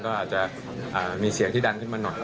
ก็อาจจะมีเสียงที่ดันขึ้นมาหน่อย